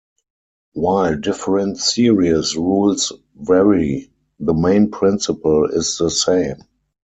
While different series rules vary, the main principle is the same.